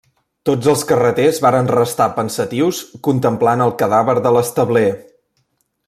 Tots els carreters varen restar pensatius contemplant el cadàver de l'establer.